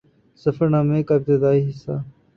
سفر نامے کا ابتدائی حصہ